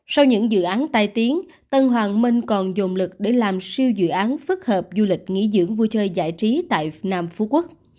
sau những dự án tai tiếng tân hoàng minh còn dồn lực để làm siêu dự án phức hợp du lịch nghỉ dưỡng vui chơi giải trí tại nam phú quốc